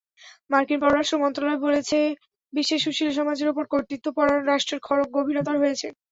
মার্কিন পররাষ্ট্র মন্ত্রণালয় বলছে, বিশ্বে সুশীল সমাজের ওপর কর্তৃত্বপরায়ণ রাষ্ট্রের খড়্গ গভীরতর হয়েছে।